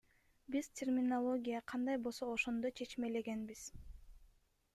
Биз терминология кандай болсо ошондой чечмелегенбиз.